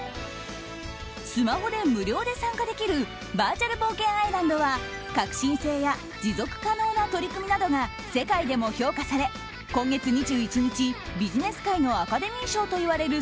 スマホで無料で参加できるバーチャル冒険アイランドは革新性や持続可能な取り組みなどが世界でも評価され、今月２１日ビジネス界のアカデミー賞といわれる